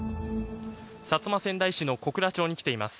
薩摩川内市内の小倉町に来ています。